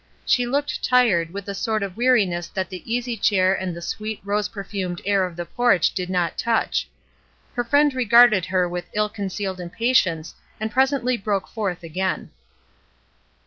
She looked tired, with the sort of weariness that the easy chair and the sweet, rose perfumed air of the porch did not touch. Her friend regarded her with ill con cealed impatience and presently broke forth again.